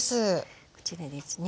こちらですね。